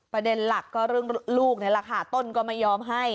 ประเด็นหลักก็เรื่องลูกนี่แหละค่ะต้นก็ไม่ยอมให้